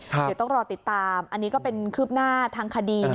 เดี๋ยวต้องรอติดตามอันนี้ก็เป็นคืบหน้าทางคดี